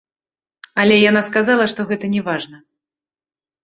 Але яна сказала, што гэта не важна.